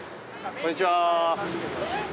こんにちは。